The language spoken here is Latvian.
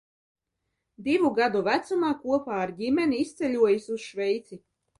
Divu gadu vecumā kopā ar ģimeni izceļojis uz Šveici.